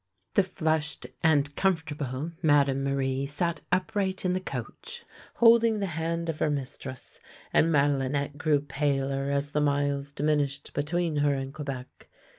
The flushed and comfortable Madame Marie sat up right in the coach, holding the hand of her mistress, and Madelinette grew paler as the miles diminished be tween her and Quebec.